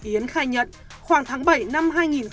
yến khai nhận khoảng tháng bảy năm hai nghìn một mươi bảy